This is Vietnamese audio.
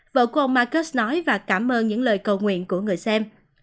vợ của ông marcus nói và cảm ơn những lời cầu nguyện của người xem